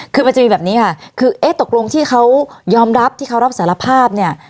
คือมันจะมีแบบนี้ค่ะคือเอ๊ะตกลงที่เขายอมรับที่เขารับสารภาพเนี่ย